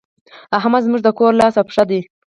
احمد زموږ د کور لاس او پښه دی.